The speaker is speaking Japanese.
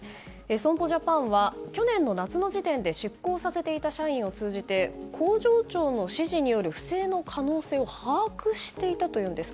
損保ジャパンは去年夏の時点で出向させていた社員を通じて工場長の指示による不正の可能性を把握していたというんです。